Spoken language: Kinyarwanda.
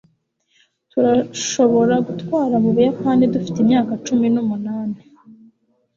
Turashobora gutwara mu Buyapani dufite imyaka cumi numunani